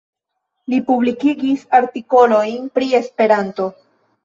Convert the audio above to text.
Li publikigis artikolojn pri Esperanto.